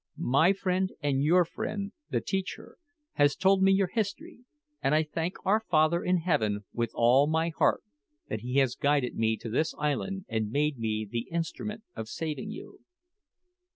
"My friend and your friend, the teacher, has told me your history; and I thank our Father in heaven with all my heart, that He has guided me to this island and made me the instrument of saving you."